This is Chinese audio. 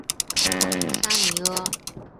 沙尼阿。